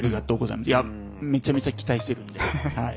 いやめちゃめちゃ期待してるんではい。